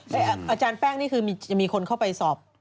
แต่อาจารย์แป้งนี่คือจะมีคนเข้าไปสอบ